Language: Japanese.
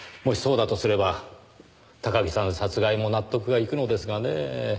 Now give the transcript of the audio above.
もしそうだとすれば高木さん殺害も納得がいくのですがねぇ。